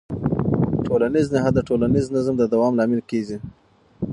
ټولنیز نهاد د ټولنیز نظم د دوام لامل کېږي.